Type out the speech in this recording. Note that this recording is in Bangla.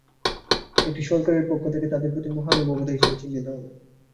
এটি সরকারের পক্ষ থেকে তাঁদের প্রতি মহানুভবতা হিসেবে চিহ্নিত হবে।